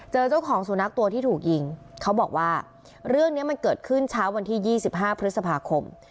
เจ้าของสุนัขตัวที่ถูกยิงเขาบอกว่าเรื่องนี้มันเกิดขึ้นเช้าวันที่๒๕พฤษภาคม